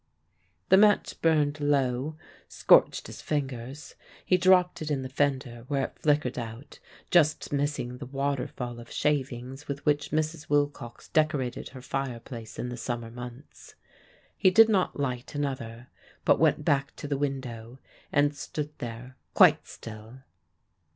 The match burned low, scorched his fingers. He dropped it in the fender, where it flickered out, just missing the "waterfall" of shavings with which Mrs. Wilcox decorated her fireplace in the summer months. He did not light another, but went back to the window and stood there, quite still.